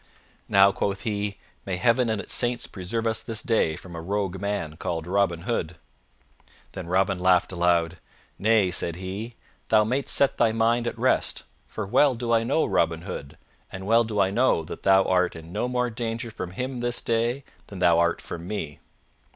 "Now," quoth he, "may Heaven and its saints preserve us this day from a rogue men call Robin Hood." Then Robin laughed aloud. "Nay," said he, "thou mayst set thy mind at rest, for well do I know Robin Hood and well do I know that thou art in no more danger from him this day than thou art from me."